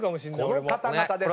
この方々です。